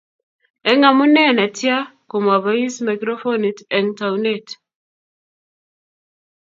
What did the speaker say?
eng omunee netyaa, ko mabois maikrofonit eng tounet